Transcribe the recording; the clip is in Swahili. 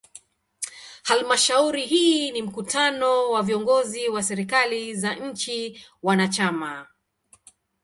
Halmashauri hii ni mkutano wa viongozi wa serikali za nchi wanachama.